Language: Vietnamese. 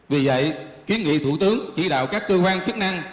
vì vậy kiến nghị thủ tướng chỉ đạo các cơ quan chức năng